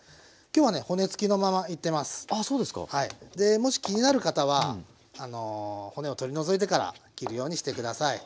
もし気になる方は骨を取り除いてから切るようにして下さい。